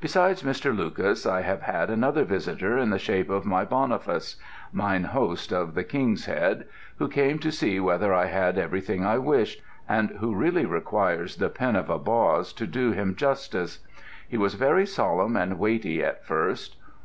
Besides Mr. Lucas, I have had another visitor in the shape of my Boniface mine host of the "King's Head" who came to see whether I had everything I wished, and who really requires the pen of a Boz to do him justice. He was very solemn and weighty at first.